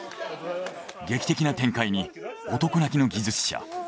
劇的な展開に男泣きの技術者。